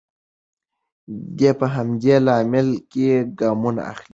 دی په همدې لاره کې ګامونه اخلي.